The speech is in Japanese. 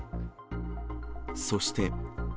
そして。